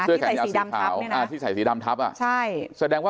เสื้อแขนยาวสีขาวที่ใส่สีดำทับเนี่ยนะ